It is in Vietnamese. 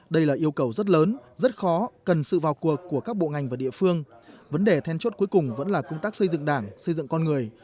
đây là yêu cầu rất lớn rất khó cần sự vào cuộc của các bộ ngành và địa phương vấn đề then chốt cuối cùng vẫn là công tác xây dựng đảng xây dựng con người